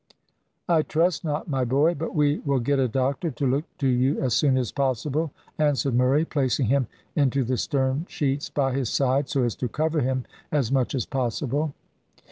"I trust not, my boy; but we will get a doctor to look to you as soon as possible," answered Murray, placing him into the stern sheets by his side, so as to cover him as much as possible.